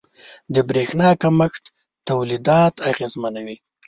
• د برېښنا کمښت تولیدات اغېزمنوي.